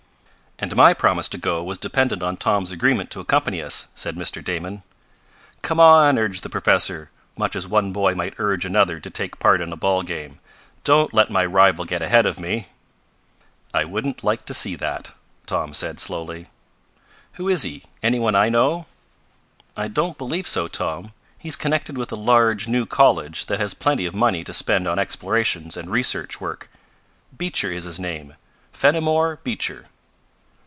"And my promise to go was dependent on Tom's agreement to accompany us," said Mr. Damon. "Come on!" urged the professor, much as one boy might urge another to take part in a ball game. "Don't let my rival get ahead of me." "I wouldn't like to see that," Tom said slowly. "Who is he any one I know?" "I don't believe so, Tom. He's connected with a large, new college that has plenty of money to spend on explorations and research work. Beecher is his name Fenimore Beecher."